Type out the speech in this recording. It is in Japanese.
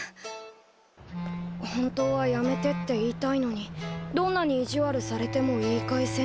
本当はやめてって言いたいのにどんなに意地悪されても言い返せない。